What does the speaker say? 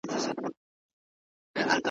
پر ښار به تر قیامته حسیني کربلا نه وي `